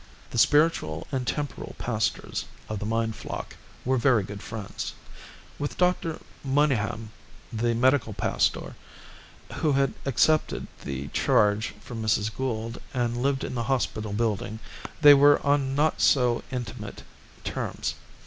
The spiritual and temporal pastors of the mine flock were very good friends. With Dr. Monygham, the medical pastor, who had accepted the charge from Mrs. Gould, and lived in the hospital building, they were on not so intimate terms.